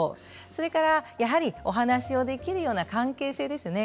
それからお話をできるような関係性ですね。